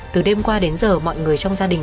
từ đêm qua đến giờ mọi người trong gia đình